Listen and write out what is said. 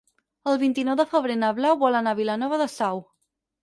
El vint-i-nou de febrer na Blau vol anar a Vilanova de Sau.